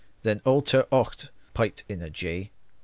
Then all ter onct piped in a jay.